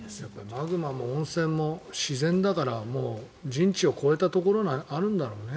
マグマも温泉も自然だから人知を超えたところにあるんだろうね。